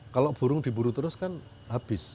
kalau burung diburu terus kan habis